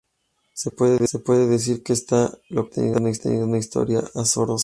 Se puede decir que esta localidad ha tenido una historia azarosa.